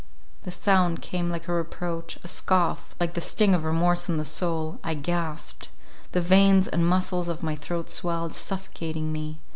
The sound came like a reproach, a scoff—like the sting of remorse in the soul—I gasped—the veins and muscles of my throat swelled, suffocating me.